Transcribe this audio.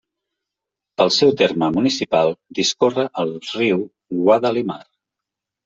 Pel seu terme municipal discorre el riu Guadalimar.